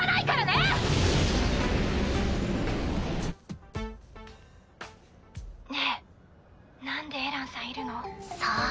ねえなんでエランさんいるの？さあ？